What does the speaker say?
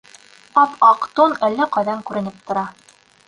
Ап-аҡ тун әллә ҡайҙан күренеп тора.